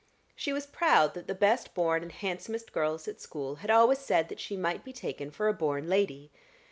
She was proud that the best born and handsomest girls at school had always said that she might be taken for a born lady.